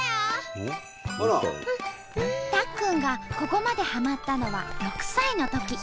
たっくんがここまではまったのは６歳のとき。